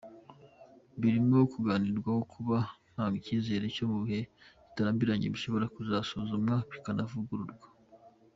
Birimo kuganirwaho, nkaba ntanga icyizere ko mu gihe kitarambiranye bishobora kuzasuzumwa bikanavugururwa”.